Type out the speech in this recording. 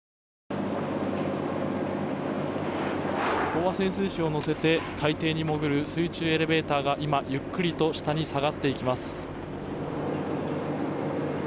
飽和潜水士を乗せて海底に潜る水中エレベーターが今、ゆっくりと下に下がっていきます。